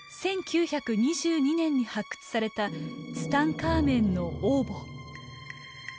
１９２２年に発掘されたツタンカーメンの王墓。